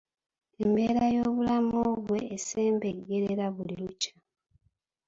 Embeera y'obulamu bwe esebengerera buli lukya.